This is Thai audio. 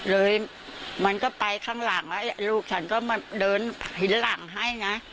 เลยมันก็ไปข้างหลังแล้วลูกฉันก็มาเดินหินหลังให้นะ